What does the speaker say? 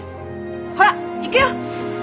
ほら行くよ！